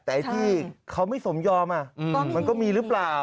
แต่ไอ้ที่เขาไม่สมยอมมันก็มีหรือเปล่า